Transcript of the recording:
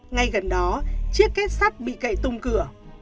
ngay gần đó chiếc kết sắt bị cậy tung cửa